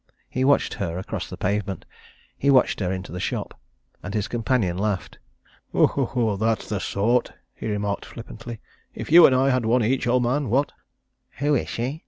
He watched her across the pavement; he watched her into the shop. And his companion laughed. "That's the sort!" he remarked flippantly. "If you and I had one each, old man what?" "Who is she?"